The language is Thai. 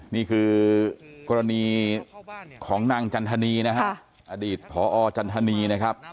นี่คือกรณีของนางจันทนีนะฮะอดีตพอจันทนีนะครับ